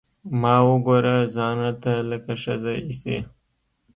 ما وګوره ځان راته لکه ښځه ايسي.